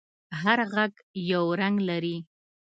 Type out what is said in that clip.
هر غږ یو رنگ لري.